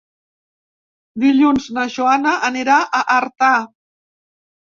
Dilluns na Joana anirà a Artà.